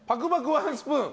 ワンスプーン